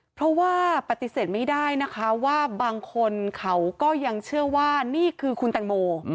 เพราะว่าปฏิเสธไม่ได้นะคะว่าบางคนเขาก็ยังเชื่อว่านี่คือคุณแตงโม